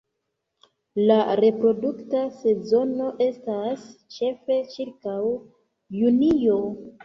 La reprodukta sezono estas ĉefe ĉirkaŭ junio.